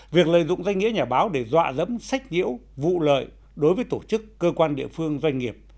việc lợi dụng danh nghĩa nhà báo để dọa dẫm sách nhiễu vụ lợi đối với tổ chức cơ quan địa phương doanh nghiệp